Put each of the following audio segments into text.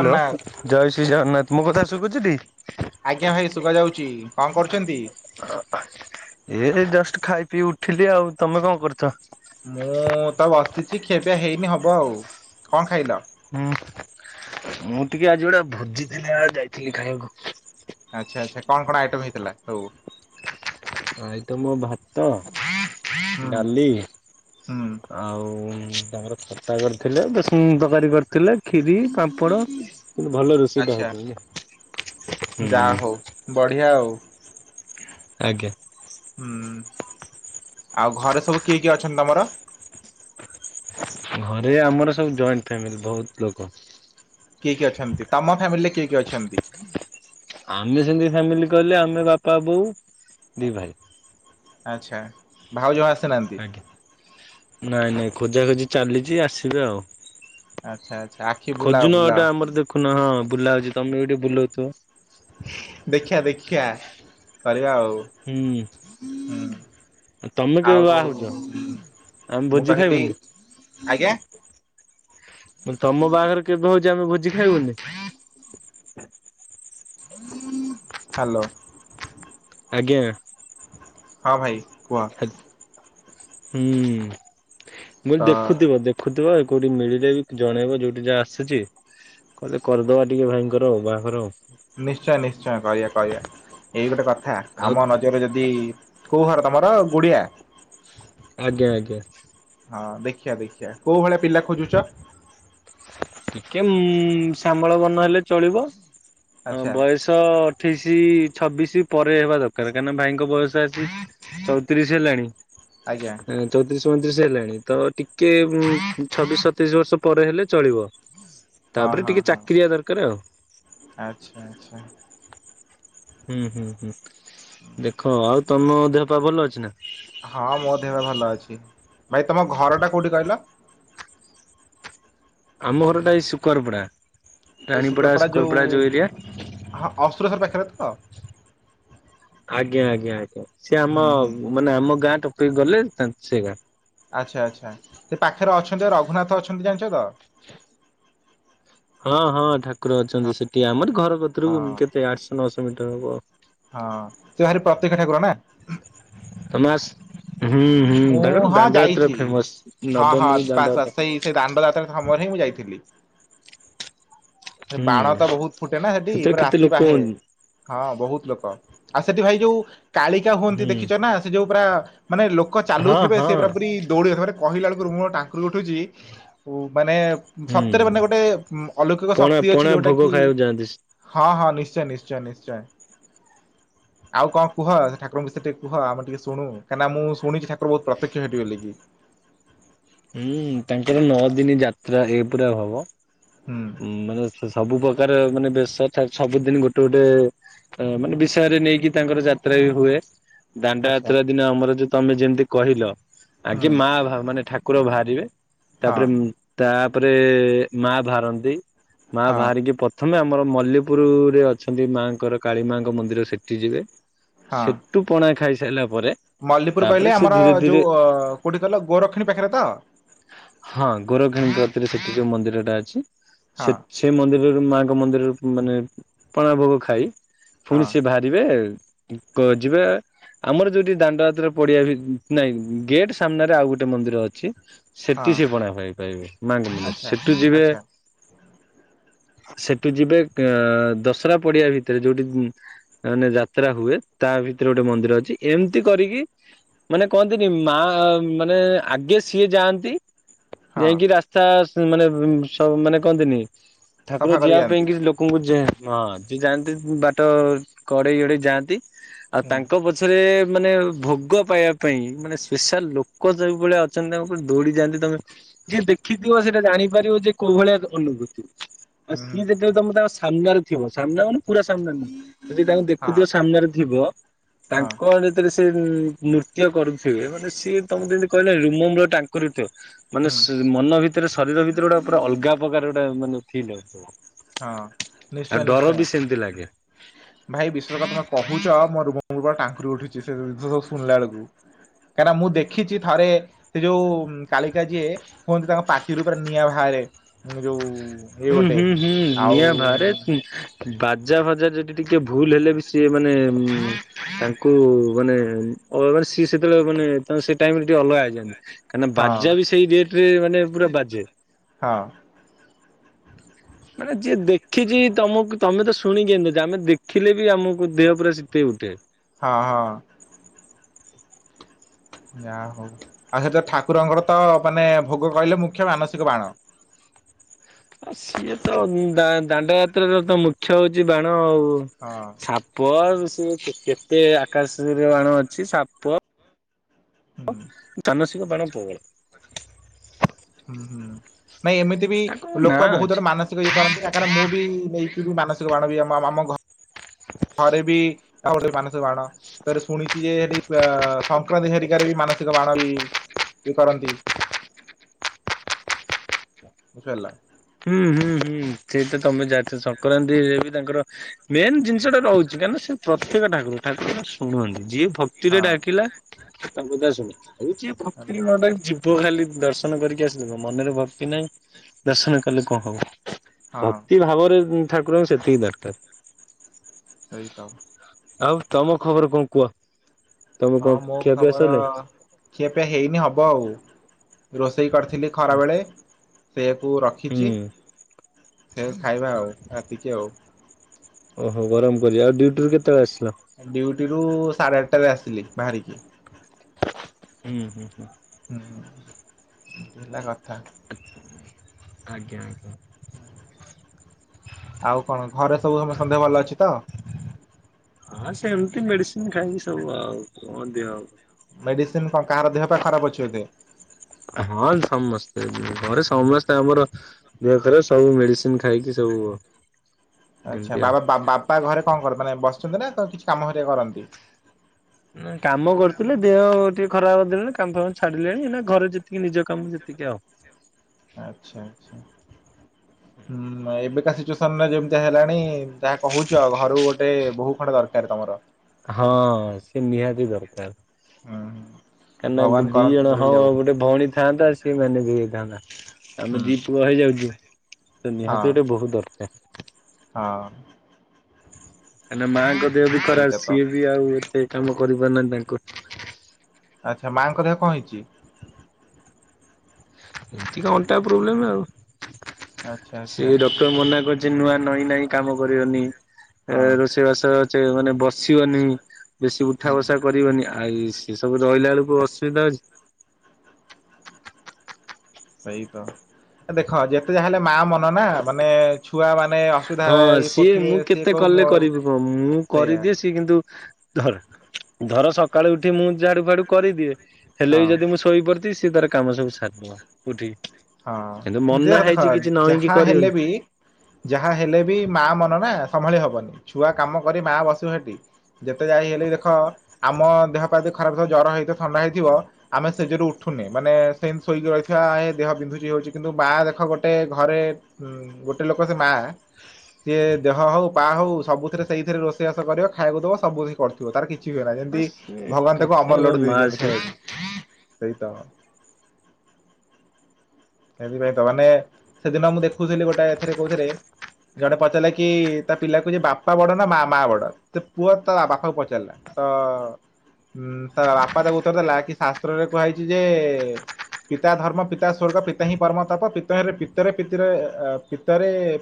Hello Jagannath ଜୟ ଶ୍ରୀ ଜଗନ୍ନାଥ ମୋ କଥା ଶୁଭୁଛିଟି? ଆଜ୍ଞା ଭାଇ ଶୁଭାଯାଉଛି କଣ କରୁଛନ୍ତି? ଏନେ ଜଷ୍ଟ ଖାଇ ପିଇ ଉଠିଲି ଆଉ ତମେ କଣ କରୁଛ? ମୁଁ ତ ବସିଛି ଖିଆ ପିଆ ହେଇନି ହବ ଆଉ କଣ ଖାଇଲ? ହୁଁ ମୁଁ ଟିକେ ଆଜି ଗୋଟେ ଭୋଜି ଥିଲା ଯାଇଥିଲି ଖାଇବାକୁ ଆଚ୍ଛା ଆଚ୍ଛା କଣ କଣ ଆଇଟମ ହେଇଥିଲା ସବୁ? ଏ ତ ମୋ ଭାତ ହୁଁ ଡାଲି। ହୁଁ। ଆଉ ତାଙ୍କର ଖଟା କରିଥିଲେ ବେସନ ତରକାରୀ କରିଥିଲେ। ଖିରି ପାମ୍ପଡ଼ ଭଲ ରୋଷେଇଟା ଆଚ୍ଛା ହେଇଥିଲା ଯାହା ହୁଁ। ହଉ ବଢିଆ ଆଉ ଆଜ୍ଞା। ହୁଁ ଆଉ ଘରେ ସବୁ କିଏ କିଏ ଅଛନ୍ତି ତମର? ଘରେ ଆମର ସବୁ ଜଏଣ୍ଟ ଫ୍ୟାମିଲି ବହୁତ ଲୋକ। କିଏ କି ଅଛନ୍ତି ତମ ଫ୍ୟାମିଲିରେ କିଏ କିଏ ଅଛନ୍ତି? ଆମେ ସେମିତି ଫ୍ୟାମିଲି କହିଲେ ଆମେ ବାପା ବୋଉ ଦି ଭାଇ। ଆଚ୍ଛା ଭାଉଜ ଆସ ଆଜ୍ଞା ନାଇଁ ନାଇଁ ଖୋଜାଖୋଜି ଚାଲିଛି ଆସିବେ ଆଉ ଆଚ୍ଛା ଆଚ୍ଛା ଆଖି ବୁଲାଅ ଖୋଜୁନ ଗୋଟେ ଆମର ବୁଲାଅ। ଦେଖୁନ ହଁ ବୁଲା ହଉଛି ତମେ ବି ଟିକେ ବୁଲଉ ଥିବ? ଦେଖିଆ ଦେଖିଆ କରିବା ଆଉ। ହୁଁ। ହୁଁ ତମେ କେବେ ଆଉ ବାହା ହଉଛ ଆମେ ମୁଁ ଭୋଜି କହିଲି ଖାଇବୁନି। ଆଜ୍ଞା। ତମ ବାହାଘର କେବେ ହଉଛି ଆମେ ଭୋଜି ଖାଇବୁନି? ହାଲୋ। ଆଜ୍ଞା। ହଁ ଭାଇ କୁହ? ହୁଁ ବ ତ ଦେଖୁଥିବ ଦେଖ। ଦେଖୁଥିବ କୋଉଠି ମିଳିଲେ ବି ଜଣେଇବ ଯୋଉଠି ଯାହା ଆସୁଛି। କହିଲେ କରିଦବା ଟିକେ ଭାଇଙ୍କର ଆଉ ବାହାଘର ଆଉ। ନିଶ୍ଚୟ ନିଶ୍ଚୟ କରିବା କରିବା ଏଇ ଗୋଟେ କଥା ଆଉ ଆମ ନଜରରେ ଯଦି କୋଉ ଘର ତମର ଗୁଡିଆ। ଆଜ୍ଞା ଆଜ୍ଞା। ହଁ ଦେଖିଆ ଦେଖିଆ କୋଉ ଭଳିଆ ପିଲା ଖୋଜୁଛ? ଟିକେ ଉ ସାମଳ ବନ ହେଲେ ଚଳିବ ଆଚ୍ଛା ବୟସ ଶହ ଅଠେଇଶି ଛବିଶି ପରେ ହେବା ଦରକାର କାହିଁକିନା ଭାଇଙ୍କ ବୟସ ଆସି ଚଉତିରିଶ ହେଲାଣି। ଆଜ୍ଞା ଚଉତିରିଶ ପଇଁତିରିଶ ହେଲାଣି ତ ଟିକେ ଛବିଶ ସତେଇରିଶ ବର୍ଷ ପରେ ହେଲେ ଚଳିବ। ହଁ ତାପରେ ହଁ ଟିକେ ହଁ ଚାକିରି ଦବା ଦରକାର ଆଉ ଆଚ୍ଛା ଆଚ୍ଛା। ହୁଁ ହୁଁ ହୁଁ ଦେଖ ଆଉ ତମ ଦେହ ପା ଭଲ ଅଛି ନା। ହଁ ମୋ ଦେହବେ ଭଲ ଅଛି ଭାଇ ତମ ଘରଟା କୋଉଠି କହିଲ? ଆମ ଘରଟା ଏଇ ଶକରପଡା ରାଣୀପଡା ସୁକରପଡା ଯୋଉ ଏରିଆ। ହଁ ଅସ୍ରଶର ପାଖରେ ତ ଆଜ୍ଞା ଆଜ୍ଞା ଆଜ୍ଞା ସିଏ ଆମ ହୁଁ ହୁଁ ମାନେ ଆମ ଗାଁ ଟକେଇକି ଗଲେ ସେ ଗାଁ ଆଚ୍ଛା ଆଚ୍ଛା ସେ ପାଖରେ ଅଛନ୍ତି ରଘୁନାଥ ଅଛନ୍ତି ଜାଣିଛ ତ ହଁ ହଁ ଠାକୁର ଅଛନ୍ତି ସେଠି ଆମର ଘର କଥରୁ ହଁ କେତେ ଆଠଶହ ନଅଶହ ମିଟର ହବ ଆଉ। ହଁ ତୁ ଭାରି ପ୍ରତୀକ ଠାକୁର ନା। ତମ ହୁଁ ହୁଁ ମୁଁ ତାଙ୍କର ହଁ ଦାଣ୍ଡଯାତ୍ର ଯାଇଛି ଫେମସ ହଁ ହଁ ନବମୀ ବାସ୍ ବାସ୍ ଦାଣ୍ଡଯାତ୍ର। ସେଇ ସେଇ ଦାଣ୍ଡଦାତ୍ରା ସମୟରେିଁ ମୁଁ ଯାଇଥିଲି। ସେ ହୁଁ ବାଣ ତ ବହୁତ ଫୁଟେ ନା ସେଠି ପ ସେଥିରେ କେତେ ରାତି ଲୋକ ବାହେ। ହୁଅନ୍ତି ହଁ ବହୁତ ଲୋକ ଆଉ ସେଠି ଭାଇ ଯୋଉ କାଳିକା ହୁଅନ୍ତି ହୁଁ। ଦେଖିଛ ନା ସେ ଯୋଉ ପୁରା ମାନେ ଲୋକ ହଁ ଚାଲୁଥିବେ ହଁ ସେଇ ପୁରା ପୁରୀ ଦୌଡିଥିବ କହିଲା ବେଳକୁରୁ ମୁଁ ଟାଙ୍କୁରି ଉଠୁଛି ମାନେ ହୁଁ ସତ୍ୟରେ ମାନେ ଗୋଟେ ଅଲୌକିକ ପଣା ଶକ୍ତି ଅଛି ପଣା ଯୋଉଟା ଭୋଗ କି ଖାଇବାକୁ ଯାଆନ୍ତି। ହଁ ହଁ ନିଶ୍ଚୟ ନିଶ୍ଚୟ ନିଶ୍ଚୟ ଆଉ କଣ କୁହ ଠାକୁରଙ୍କଷ ଟିକେ କହ ଆମେ ଟିକେ ଶୁ କାଁକନା ମୁଁ ଶୁଣି ଠାକୁର ବହୁତ୍ୟକ୍ଷ ହେଇିଗ କି ହୁଁ ତାଙ୍କର ନଅ ଦିନ ଯାତ୍ରା ଏ ପୁରା ହବ ହୁଁ ଁ ମାନେ ସବୁ ପ୍ରକାର ମାନେ ବେଶ ସବୁଦିନ ଗୋଟେ ଗୋଟେ ତ ମାନେ ବିଷୟରେ ନେଇକି ତାଙ୍କର ଯାତ୍ରା ବି ହୁଏ ଦାଣ୍ଡ ଆଚ୍ଛା ଯାତ୍ରା ଦିନେ ଆମର ଯଉ ତମେ ଯେମିତି କହିଲ ଆ ହୁଁ କି ମା ମାନେ ଠାକୁର ବାହାରିବେ ହଁ ତାପରେ ତାପରେ ମା ବାହାରନ୍ତି ମା ହଁ ବାହାରିକି ପ୍ରଥମେ ଆମର ମଲ୍ଲପୁରରେ ଅଛନ୍ତି ମାଙ୍କର କାଳୀ ମାଙ୍କ ମନ୍ଦିର ସେଠି ଯିବେ ହଁ ସେ ଟୁ ପଣା ଖାଇସାରିଲା ପରେ ମଲ୍ଲୀପୁର ତାପରେ କହିଲେ ସେ ଆମର ଧୀରେ ଧୀରେ ଯୋଉ ଅ କୋଉଠି କହିଲ ଗୋରକ୍ଷିଣୀ ପାଖରେ ତ ହଁ ଗୋରଖିଣୀଙ୍କତିରେ ସେଠି ଯୋଉ ମନ୍ଦିର ଟା ଅଛି ହଁ ସେଠ ସେ ମନ୍ଦିରରେ ମାଙ୍କ ମନ୍ଦିରରୁ ମାନେ ପଣା ଭୋଗ ଖାଇ ପୁଣି ହଁ ସେ ବା ଯିବେ ଯିବେ ଆମର ଯୋଉଠି ଦାଣ୍ଡ ହାତ୍ର ପଡିଆ ନାଇଁ ଗେଟ ସାମ୍ନାରେ ଆଉ ଗୋଟେ ମନ୍ଦିର ଅଛି ହଁ ସେଠି ସେି ପଣା ଭପାରିବେ ମାଗିଲ ଆଚ୍ଛା ସେଠୁ ଯିବେ ଆଚ୍ଛା ସେଠୁ ଯିବେ ଦଶହରା ପଡିଆ ଭିତରେ ଯୋଉଠି ମାନେ ଯାତ୍ରା ହୁଏ ତା ଭିତରେ ଗୋଟେ ମନ୍ଦିର ଅଛି ଏମିତି କରିକି ମାନେ କହନ୍ତିନି ମା ମାନେ ଆଗେ ସିଏ ଯାଆନ୍ତି ହଁ ଯାଇକି ରାସ୍ତା ମାନେ ସବ ମାନେ କହନ୍ତିନି ଠାକୁର ସଫା କରି ଯିବା ପାଇଁ ଯାଆନ୍ତି। କିଛି ଲୋକ ଲୋକଙ୍କୁ ଯା ହଁ ଯିଏ ଯାଆନ୍ତି ବାଟ କଡେଇ ଏଡେଇ ଯାଆନ୍ତି ଆଉ ହୁଁ ତାଙ୍କ ପ ଛରେ ମାନେ ଭୋଗ ପାଇବା ପାଇଁ ମାନେ ସ୍ପେଶାଲ ଲୋକ ଯୋଉ ଭଳେ ଅଛନ୍ତି ତାଙ୍କ ଦୌଡି ଯାଆନ୍ତି ତମେ ଯିଏ ଦେଖିଥିବ ସେଇଟା ଜାଣିପାରିବ ଯେ କୋଉ ଭଳିଆ ଅନୁଭୂତି। ଆଉ ହୁଁ ହୁଁ ସିଏ ଯେତେବେଳେ ତମେ ତାଙ୍କ ସାମ୍ନାରେ ଥିବ ସାମ୍ନା ମାନେ ପୁରା ସାମ୍ନାରେ ନୁହଁ ଯଦି ତାଙ୍କୁ ହଁ ଦେଖୁଥିବ ସାମ୍ନାରେ ଥିବ ହଁ ତାଙ୍କ ଭରେ ସେ ନୃତ୍ୟ କରୁଥିବେ ମାନେ ସିଏ ତମେ ଯେମିତି କହିଲା ରୁମମୂଳ ଟାଙ୍କୁରି ଥିବ। ହୁଁ ମାନେ ସ ମନ ଭିତରେ ଶରୀର ଭିତରେ ଗୋଟେ ପୁରା ଅଲଗା ପ୍ରକାର ଗୋଟେ ମାନେ ଫିଲ୍ ହବ। ହଁ ନିଶ୍ଚୟ ଆଉ ଡର ନିଶ୍ଚୟ। ବି ସେମତି ଲାଗେ। ଭାଇ ବିଶେଷ କଥା ତମେ କହୁଛ ମୋର ଟାଙ୍କୁରି ଉଠୁଛି ସେ ଜିନଷ ସବୁ ଶୁଣିଲା ବେଳକୁ କାହିଁକିନା ମୁଁ ଦେଖିଛି ଥରେ ସେ ଯୋଉ କାଳିକା ଯିଏ ହୁହନ୍ତି ତାଙ୍କ ପାଟିରୁ ପୁରା ନିଆଁ ବାହାରେ ଯୋଉ ଇଏ ହୁଁ ଗୋଟେ ହୁଁ ହୁଁ ଆଉ ନିଆଁ ଭାରେ ବାଜା ଫଜା ଯଦି ଟିକେ ଭୁଲ ହେଲେ ବି ସିଏ ମାନେ ଉଁ ତାଙ୍କୁ ମାନେ [unintelligible] ସିଏ ସେତେବେଳେ ମାନେ ତେଣୁ ସେଇ ଟାଇମରେ ଟିକେ ଅଲଗା ହେଇାଯାଏ କାହିଁନା ହଁ ବାଜା ବି ସେଇ ରେଟ ରେ ମାନେ ପୁରା ବାଜେ। ହଁ। ମାନେ ଯିଏ ଦେଖିଛି ତମକୁ ତମେ ତ ଶୁଣିକି ଏମିତି ହଉଛ ଆମେ ଦେଖିଲେ ବି ଆମକୁ ଦେହ ପୁରା ଶୀତେଇ ଉଠେ। ହଁ ହଁ। ଯାହା ହଉ ଆଉ ସେ ଯ ଠାକୁରଙ୍କର ତ ମାନେ ଭୋଗ କହିଲେ ମୁଖ୍ୟ ମାନସିକ ବାଣ। ଆ ସିଏ ତ ଦା ଦାଣ୍ଡ ଯାତ୍ର ର ତ ମୁଖ୍ୟ ହଉଛି ବାଣ ଆଉ। ହଁ ସାପ ସେ କେତେ ଆକାଶରେ ବାଣ ଅଛି ସାପ ହୁଁ। ତାନସିକ ପାଣି ପ୍ରବଳ। ହୁଁ ହୁଁ ନାଇଁ ଏମିତି ବି ତାଙ୍କର ନାଁ ଲୋକ ବହୁତ ଅଛି। [unintelligible] ମାନସିକ ଇଏ କରନ୍ତି ନା କାରଣ ମୁଁ ବି ନେଇ ମାନସିକ ମାଣବ ବି ଆମ ଆମ ଘ ଥରେ ବି ଆଉ ଗୋଟେ ମାନସ ବାଣ ତାର ଶୁଣିଛି ଯେ ହେଠି ଆ ସଂକ୍ରାନ୍ତି ହରିକାରେ ବି ମାନ ବାଣ ଇଏ କରନ୍ତି। ଫେରିଲା। ହୁଁ ହୁଁ ହୁଁ ସେଇ ତ ତମେ ଜାଣିଛ ସଂକ୍ରାନ୍ତିରେ ବି ତାଙ୍କର ମେନ୍ ଜିନିଷ ସେଟେ ରହୁଛି କାହିଁକିନା ସେ ପ୍ରତ୍ୟେକ ଠାକୁର ଠାକୁର ଶୁଣୁନ୍ତି ଯିଏ ଭକ୍ତିରେ ହଁ ଡାକିଲା ତାଙ୍କୁ କଥା ଶୁଣ ଆଉଜି ମାନେ ଭକ୍ତିରେ ନ ଡାକିଛି ଯି ପୁଅ ଖାଲି ଦର୍ଶନ କରିକି ଆସିବ ମନରେ ଭକ୍ତି ନାହିଁ ଦର୍ଶନ ତାହଲେ କଣ ହବ ହଁ ଭକ୍ତି ଭାବରେ ଠାକୁରଙ୍କୁ ସେତିକି ଦରକାର ସେଇତ ଆଉ ତମ ଖବର କଣ କୁହ ତମେ ହଁ କଣ ମୋ ଖିଆପିଆ ଖବର ସଇଲା ଖିଆପିଆ ହେଇନି ହେବ ଆଉ ରୋଷେଇ କରିଥିଲି ଖରାବେଳେ ସେୟାକୁ ରଖିଛି। ହୁଁ ଫେର ଖାଇବା ଆଉ ରାତିକି ଆଉ। ଓହୋ ଗରମ କରିବା ଆଉ ଡ୍ୟୁଟିରୁୁ କେତେବେଳେ ଆସିଲ? ଡ୍ୟୁଟି ରୁ ସାଢେ ଆଠଟାରେ ଆସିଲି ବାହାରିକି। ହୁଁ ହୁଁ ହୁଁ। ହୁଁ ସେଟା କଥା। ଆଜ୍ଞା ଆଜ୍ଞା। ଆଉ କଣ ଘରେ ସବୁ ସମ ସନ୍ଦେ ଭଲ ଅଛି ତ? ହଁ ସେମିତି ମେଡିସିନ ଖାଇକି ସବୁ ଆଉ କଣ ଦେହ ମେଡିସିନ କଣ କାହାର ଦେହ ପାଇଁ ଖରାପ ଅଛି ବୋଧେ ହଁ ସମସ୍ତେ ଘରେ ସମସ୍ତେ ଆମର ଦେହଖରାପ ସବୁ ମେଡିସିନ ଖାଇକି ସବୁ ଆଚ୍ଛା ଏମିତି ଆଉ। ବାବା ବାପା ଘରେ କଣ କରନ୍ତି ମାନେ ବସିଛନ୍ତି ନା କଣ କିଛି କାମ ହେରିକା କରନ୍ତି। ନା କାମ କରୁଥିଲେ ଦେହ ଟିକେ ଖରାପ ଦେଲେଣି କାମ ଫାମ ଛାଡିଲେଣି ନା ଘରେ ଯେତିକି ନିଜ କାମ ଯେତିକି ଆଉ। ଆଚ୍ଛା ଆଛା ହୁଁ ଏବେକାଶ ଯେମିତି ହେଲାଣି ଯାହା କହୁଛ ଆଉ ଘରୁ ଗୋଟେ ବହୁ ଖଣ୍ଡ ଦରକାର ତମର। ହଁ ସେ ନିହାତି ଦରକାର। ହୁଁ କାହିଁ ନା ଭଗବାନ ଦି କରନ୍ତୁ ଜଣ ହଉ ମିଳିଯାଉ ଆଉ ଗୋଟେ ଭଉଣୀ। ଥାନ୍ତା ସିଏ ମାନେ ବି ହେଇଥାନ୍ତା ହୁଁ ଆମେ ଦି ପୁଅ ହେଇଯାଉଛୁ। ତ ହଁ ନିହାତି ଗୋଟେ ବହୁତ ଦରକାର। ହଁ। କାଁ ନା ମାଙ୍କ ଦେହ ବି ଖରା ସେଇଟା ତ ସିଏ ବି ଆଉ ଏତେ କାମ କରିପାରୁନାହାହିନ୍ତି ତାଙ୍କୁ। ଆଚ୍ଛା ମାଆଙ୍କ ଦେହ କଣ ହେଇଛି। ଏ ଅଣ୍ଟା ପ୍ରବ୍ଲେ ଆଉ ଆଚ୍ଛା ସେ ଆଚ୍ଛା ଡକ୍ଟର ମନା କରି ଯେ ନୂଆ ନଈ ନହିଁ କାମ କରିବନି ଏ ହଁ ରୋଷେଇବାସ ମାନେ ବସିବନି ବେଶୀ ହୁଁ ଉଠା ବସା। କରିବନି ଆଇ ସେ ସବୁ ରହିଲା ବେଳକୁ ଅସୁବିଧା ଅଛି। ସେଇତ ଦେଖ ଯେତେ ଯାହା ହେଲେ ମା ମନ ନା ମାନେ ଛୁଆ ମାନେ ଅସୁବିଧା ହଁ ଇଏ ସିଏ କରୁଥିବେ ମୁଁ କେତେ ସିଏ କହୁ କଲେ ମୋ କରିବି କହ ମୁଁ ସେଇୟା। କରିଦିଏ କିନ୍ତୁ ଧର ଧର ସକାଳୁ ଉଠି ମୁଁ ଝାଡୁ ଫାଡୁ କରିଦିଏ। ହେଲେ ହଁ ବି ଯଦି ମୁଁ ଶୋଇପାରୁଛି ସିଏ ତାର କାମ ସବୁ ସାରଦ ଉଉଠିକି। ହଁ ଦେଖ ଦେଖ ଯାହା କରିବୁନି। ହେଲେ ବି। ଯାହା ହେଲେ ବି ମା ମନ ନା ସମ୍ଭାଳି ହବନି ଛୁଆ କାମ କରି ମା ବସିବ ସେଠି। ଯେତେ ଯାଇ ହେଲି ଦେଖ ଆମ ଦେହ ପ୍ରତି ଖରାପ ଜର ହେଇଥିବ ଥଣ୍ଡା ହେଇଥିବ। ଆମେ ସେ ଯୋରୁ ଉଠୁନି ମାନେ ସେମିତି ଶୋଇକି ରହିଥିବା ଦେହ ବିନ୍ଧୁଛି ହଉଛି କିନ୍ତୁ ମା ଦେଖ ଗୋଟେ ଘରେ ଉଁ ଗୋଟେ ଲୋକ ସେ ମା। ସିଏ ଦେହ ହଉ ପା ହଉ ସବୁଥିରେ ସେଇଥିରେ ରୋଷେଇବାସ କର ଖାଇବାକୁ ଦବ ସବୁ କରୁ ଥ ତାର କିଛି ହୁଏ ନା ଆ ଯେମିତି ସିଏ ଭଗବାନ ତାକୁ କଥାରେ ଅମର ମୋ ଲୋଡି ମା ଦେଇଛନ୍ତି ସିଏ ଖାଇବାକୁ ସେଇ ତ ସେଥିପାଇଁ ତ ମାନେ ସେଦିନ ମୁଁ ଦେଖୁଥିଲି ଗୋଟେ ଏଥିରେ କୋଉଥିରେ। ଜଣେ ପଚାରିଲା କି ତା ପିଲାକୁ ଯେ ବାପା ବଡ ନା ମା ମା ବଡ ସେ ପୁଅ ତା ବାପାକୁ ପଚାରିଲା। ତ ହୁଁ ତା ବାପା ତାକୁ ଉତ୍ତର ଦେଲା କି ଶାସ୍ତ୍ରରେ କୁହାଯାଇଛି ଯେ ପିତା ଧର୍ମ ପି ପିତା ସ୍ଵର୍ଗ ପିତା ହିଁ ପରମ ତପ ପିତରେ ପିତରେ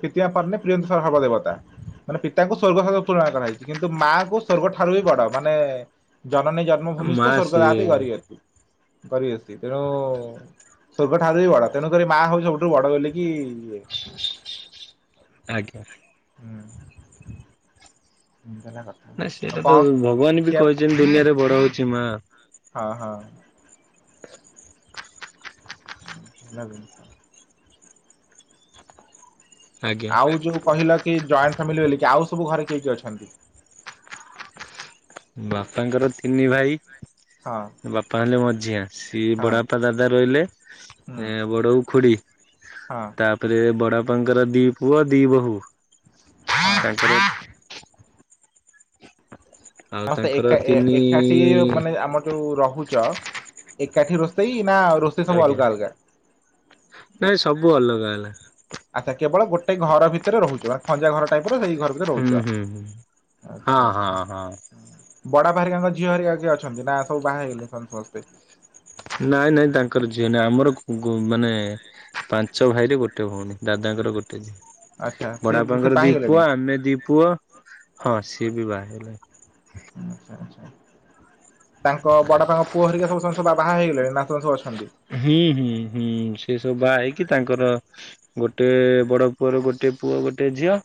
ପ୍ରିତିମା ପର୍ନେ ପ୍ରିୟନ୍ତି ସହର୍ବ ଦେବତା। ମାନେ ପିତାଙ୍କୁ ସ୍ଵର୍ଗ ସହ ତୁଳନା କରା ହେଇଛି, କିନ୍ତୁ ମାଙ୍କୁ ସ୍ଵର୍ଗ ଠାରୁ ବି ବଡ ମାନେ ଜନନୀ ଆ ମା ଜନ୍ମଭୂମିଷ୍ଟ ସିଏ ସ୍ୱର୍ଗାଦପୀ ଗରିୟସୀ ଗରିୟସୀ ତେଣୁ ସ୍ଵର୍ଗ ଠାରୁ ବି ବଡ ତେଣୁକରି ମା ହଉଛି ସବୁଠୁ ବଡ ବୋଲିକି ଇଏ। ଆଜ୍ଞା। ହୁଁ। [inaudible] ନାଇଁ ଆଉ ସେଇଟା ତ କଣ ଭଗବାନ ବି ଖିଆ କହିଛନ୍ତି ଦୁନିଆରେ ବଡ ହଉଛି ମା। ହଁ ହଁ। ଲାଗି ଆଜ୍ଞା। ଆଉ ଯୋଉ କହିଲ କି ଜଏଣ୍ଟ ଫ୍ୟାମିଲି ବୋଲିକି ଆଉ ସବୁ ଘରେ କିଏ କିଏ ଅଛନ୍ତି। ବାପାଙ୍କର ତିନି ଭାଇ। ହଁ ବାପା ହେଲେ ମଝିଆ ସିଏ ହଁ ବଡ଼ାପା ଦାଦା ରହିଲେ। ହୁଁ ଏ ବଡବୋଉ ଖୁଡି। ହଁ। ତାପରେ ବଡପାଙ୍କର ଦି ପୁଅ ଦି ବୋହୂ ହଁ ତାଙ୍କର ଆଉ ସମସ୍ତେ ତାଙ୍କର ଏକା ତିନି ଏକାଠି ମାନେ ଆମର ଯୋଉ ରହୁଛ ଏକାଠି ରୋଷେଇ ନା ରୋଷେଇ ସବୁ ଆଜ୍ଞା ଅଲଗା ଅଲଗା? ନାଇଁ ସବୁ ଅଲଗା ଅଲଗା। ଆଚ୍ଛା କେବଳ ଗୋଟେ ଘର ଭିତରେ ରହୁଛ ଖଞ୍ଜା ଘର ତା ପରେ ସେଇ ଘର ଭିତରେ ହୁଁ ରହୁଛ, ହୁଁ ହୁଁ। ହଁ ଆଛା ହଁ ଆଛା। ହଁ ବଡବାପା ହେରିକାଙ୍କ ଝିଅ ହେରିକା କିଏ ଅଛନ୍ତି, ନା ସବୁ ବାହା ହେଇଗଲେଣି ସେମାନେ ସମସ୍ତେ? ନାଇଁ ନାଇଁ ତାଙ୍କର ଝିଅ ନାଇଁ, ଆମର ଗୋ ମାନେ ପାଞ୍ଚ ଭାଇରେ ଗୋଟେ ଗୋଟେ ଭଉଣୀ, ଦାଦାଙ୍କର ଗୋଟେ ଝିଅ, ଆଚ୍ଛା ସିଏ ସେ ବଡବାପାଙ୍କର ବାହା ଦି ହେଇଗଲେଣି ପୁଅ, ଆମେ ଦି ପୁଅ ହଁ, ସିଏ ବି ବାହା ହେଇଗଲାଣି। ଆଛା ଆଛା, ତାଙ୍କ ବଡପାଙ୍କ ପୁଅ ହେରିକା ସବୁ ସମସ୍ତେ ବାହା ହେଇଗଲେଣି ନା ସ ସବୁ ଅଛନ୍ତି? ହୁଁ ହୁଁ ହୁଁ ସେ ସବୁ ବାହା ହେଇକି ତାଙ୍କର ଗୋଟେ ବଡ ପୁଅର ଗୋଟେ ପୁଅ ଗୋଟେ ଝିଅ,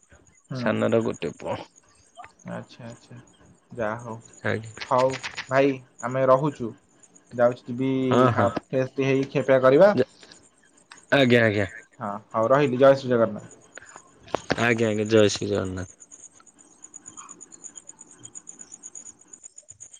ସାନର ଗୋଟେ ପୁଅ। ଆଛା ଆଛା, ଯାହଉ, ଆଜ୍ଞା ହଉ ଭାଇ ଆମେ ରହୁଛୁ। ଯାଉଛି ଯିବି ହଁ ହଁ [inaudible] ଖିଆପିଆ କରିବା। ଆଜ୍ଞା ଆଜ୍ଞା ଆଜ୍ଞା ହଁ ହଉ ରହିଲି, ଜୟଶ୍ରୀ ଜଗନ୍ନାଥ। ଆଜ୍ଞା ଆଜ୍ଞା, ଜୟ ଶ୍ରୀ ଜଗନ୍ନାଥ।